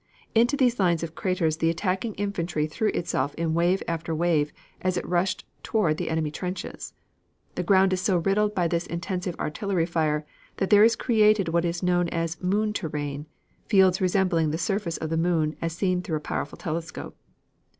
Into these lines of craters the attacking infantry threw itself in wave after wave as it rushed toward the enemy trenches. The ground is so riddled by this intensive artillery fire that there is created what is known as "moon terrain", fields resembling the surface of the moon as seen through a powerful telescope.